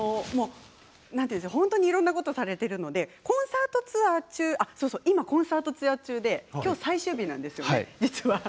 本当にいろんなことをされているのでコンサートツアー中、今コンサートツアー中で今日は最終日なんですよね実は。